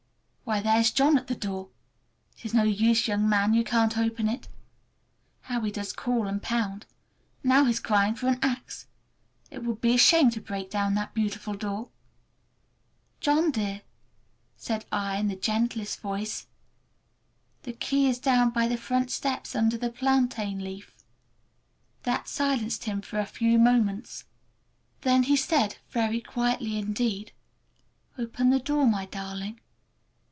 Why, there's John at the door! It is no use, young man, you can't open it! How he does call and pound! Now he's crying for an axe. It would be a shame to break down that beautiful door! "John dear!" said I in the gentlest voice, "the key is down by the front steps, under a plantain leaf!" That silenced him for a few moments. Then he said—very quietly indeed, "Open the door, my darling!"